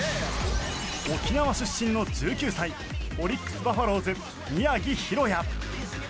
沖縄出身の１９歳オリックス・バファローズ宮城大弥。